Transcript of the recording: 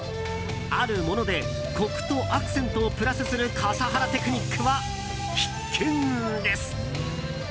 あるものでコクとアクセントをプラスする笠原テクニックは必見です。